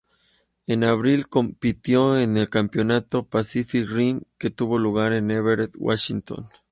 En abril compitió en el Campeonato Pacific Rim que tuvo lugar en Everett, Washington.